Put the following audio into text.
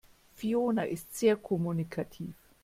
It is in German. Fiona ist sehr kommunikativ.